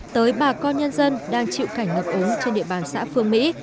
tới bà con nhân dân đang chịu cảnh ngập úng trên địa bàn xã phương mỹ